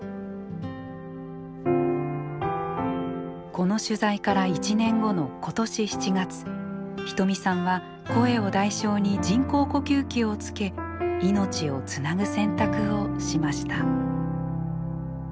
この取材から１年後の今年７月仁美さんは声を代償に人工呼吸器をつけ命をつなぐ選択をしました。